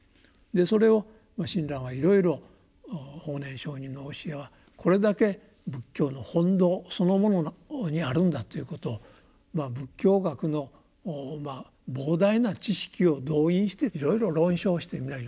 それを親鸞はいろいろ法然上人の教えはこれだけ仏教の本道そのものにあるんだということを仏教学の膨大な知識を動員していろいろ論証して皆に教えると。